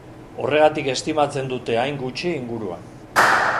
Horregatik estimatzen dute hain gutxi inguruan.